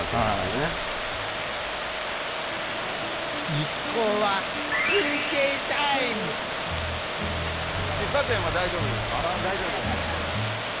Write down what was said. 一行は大丈夫です。